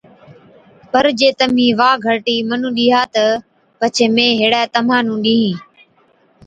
پَر جي تمهِين وا گھرٽِي مُنُون ڏِيها تہ پڇي مين هيڙَي تمهان نُون ڏِيهِين۔